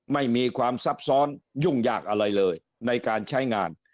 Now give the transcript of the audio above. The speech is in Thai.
ไม่มีความซับซ้อนยุ่งยากอะไรเลยในการใช้งาน